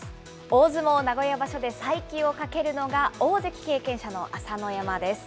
大相撲名古屋場所で再起をかけるのが、大関経験者の朝乃山です。